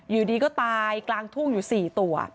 อยู่ดีก็ตายกลางทุ่งอยู่๔ตัว